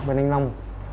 với anh long